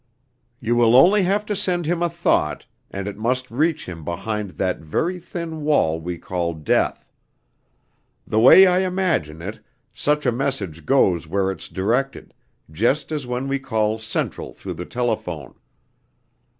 "You will only have to send him a thought, and it must reach him behind that very thin wall we call death. The way I imagine it, such a message goes where it's directed, just as when we call 'Central' through the telephone.